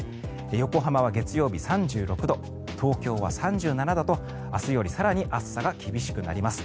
横浜は月曜日３６度東京は３７度と明日より更に暑さが厳しくなります。